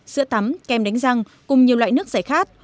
sữa tắm kem đánh răng cùng nhiều loại nước giải khát